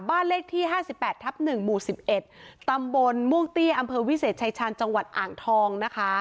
บ้านเลขที่๕๘ทับ๑หมู่๑๑ตำบลม่วงเตี้ยอำเภอวิเศษชายชาญจังหวัดอ่างทองนะคะ